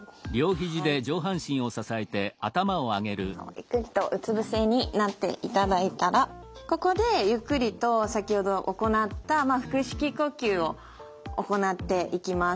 ゆっくりとうつ伏せになっていただいたらここでゆっくりと先ほど行った腹式呼吸を行っていきます。